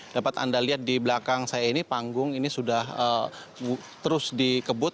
dapat anda lihat di belakang saya ini panggung ini sudah terus dikebut